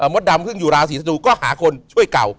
มดดำอยู่ลาศรีธนูก็หาคนช่วยเกา